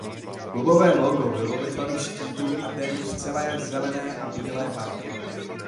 Klubové logo bylo ve tvaru štítu a téměř celé v zelené a bílé barvě.